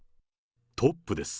トップです。